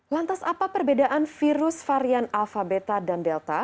lantas apa perbedaan virus varian alfa beta dan delta